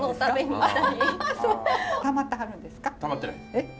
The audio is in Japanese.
えっ！